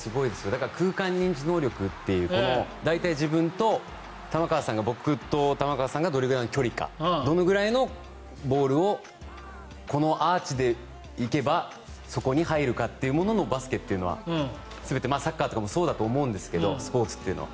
だから空間認知能力っていう大体、僕と玉川さんがどれくらいの距離かどのくらいのボールをこのアーチで行けばそこに入るかというもののバスケは全て、サッカーとかもそうだと思うんですけどスポーツというのは。